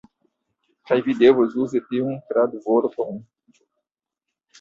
Kaj vi devos uzi tiun kradvorton.